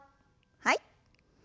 はい。